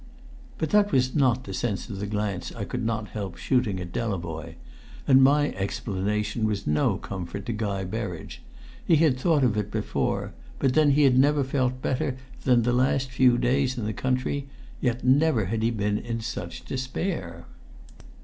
But that was not the sense of the glance I could not help shooting at Delavoye. And my explanation was no comfort to Guy Berridge; he had thought of it before; but then he had never felt better than the last few days in the country, yet never had he been in such despair.